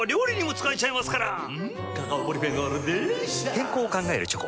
健康を考えるチョコ。